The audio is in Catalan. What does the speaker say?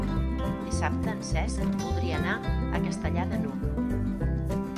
Dissabte en Cesc voldria anar a Castellar de n'Hug.